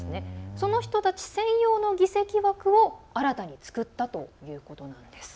その人たち専用の議席枠を新たに作ったということなんです。